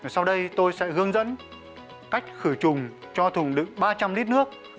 sau đây tôi sẽ hướng dẫn cách khử trùng cho thùng đựng ba trăm linh lít nước